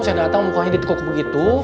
saya datang mukanya ditekuk begitu